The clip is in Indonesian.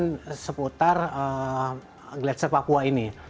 dan seputar glacier papua ini